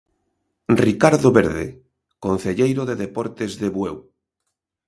Ricardo Verde, concelleiro de Deportes de Bueu.